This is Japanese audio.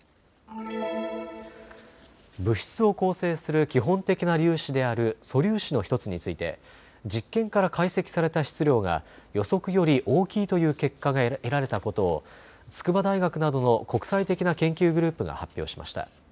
物質を構成する基本的な粒子である素粒子の１つについて実験から解析された質量が予測より大きいという結果が得られたことを筑波大学などの国際的な研究グループが発表しました。